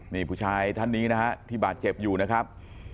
นี่ผู้ชายท่านนี้นะฮะที่บาดเจ็บอยู่นะครับ